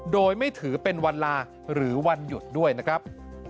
โดยไม่ถือเป็นวันลาหรือวันหยุดด้วยนะครับ